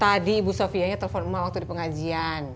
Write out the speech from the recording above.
tadi ibu sofia nya telepon emang waktu di pengajian